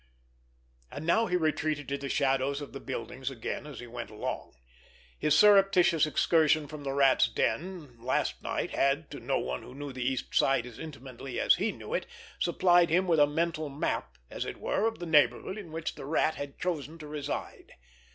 And now he retreated to the shadows of the buildings again as he went along. His surreptitious excursion from the Rat's den last night had, to one who knew the East Side as intimately as he knew it, supplied him with a mental map, as it were, of the neighborhood in which the Rat had chosen to reside.